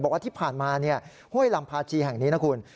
บอกว่าที่ผ่านมาห้วยลำพาชีแห่งนี้นะคุณ